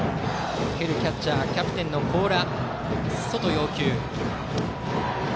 受けるキャッチャーはキャプテンの高良。